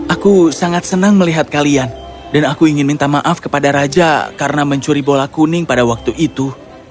aku sangat senang melihat kalian dan aku ingin minta maaf kepada raja karena mencuri bola kuning pada waktu itu